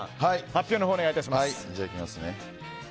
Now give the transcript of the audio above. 発表のほう、お願い致します。